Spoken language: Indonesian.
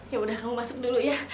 ya udah kamu masuk dulu ya